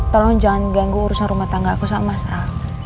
tolong jangan ganggu urusan rumah tangga aku sama saya